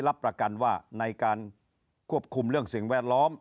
รับประกันว่าในการควบคุมเรื่องสิ่งแวดล้อม